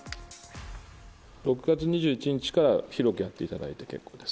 ６月２１日から広くやっていただいて結構です。